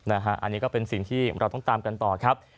อันนี้ก็เป็นสิ่งที่เราต้องตามกันต่อครับ